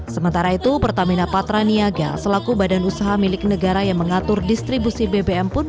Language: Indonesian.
sementara itu pertamina patraniaga selaku badan usaha milik negara yang mengatur distribusi bbm pun